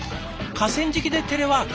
河川敷でテレワーク？